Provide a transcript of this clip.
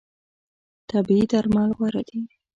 طبیعي درمل غوره دي.